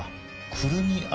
くるみ油？